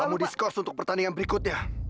kamu discourse untuk pertandingan berikutnya